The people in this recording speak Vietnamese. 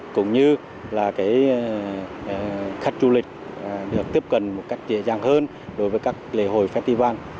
cũng như là khách du lịch được tiếp cận một cách dễ dàng hơn đối với các lễ hội festival